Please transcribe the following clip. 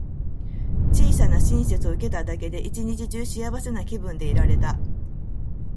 小さな親切を受けただけで、一日中幸せな気分でいられた。